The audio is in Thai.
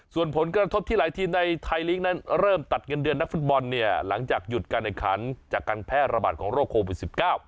ส่วนผลกระทบที่หลายทีมในไทยลีกนั้นเริ่มตัดเงินเดือนนักฟุตบอลเนี่ยหลังจากหยุดการแข่งขันจากการแพร่ระบาดของโรคโควิด๑๙